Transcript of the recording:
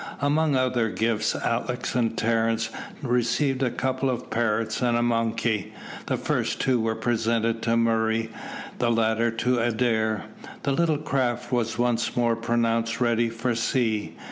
Among other gifts Alick and Terence received a couple of parrots and a monkey. The first two were presented to Murray, the latter to Adair. The little craft was once more pronounced ready for sea.